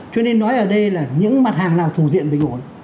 cho nên nói ở đây là những mặt hàng nào thủ diện bình ổn